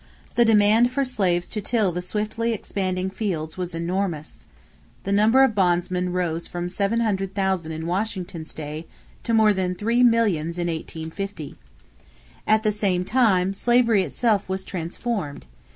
The demand for slaves to till the swiftly expanding fields was enormous. The number of bondmen rose from 700,000 in Washington's day to more than three millions in 1850. At the same time slavery itself was transformed.